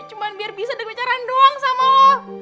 cuman biar bisa ada kebacaran doang sama lo